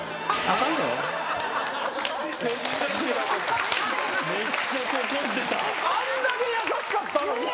あんだけ優しかったのに。